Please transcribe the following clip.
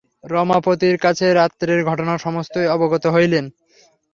রমাপতির কাছে রাত্রের ঘটনা সমস্তই অবগত হইলেন।